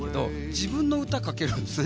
自分の歌、かけるんですね。